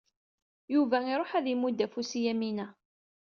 Yuba iṛuḥ ad imudd afus i Yamina.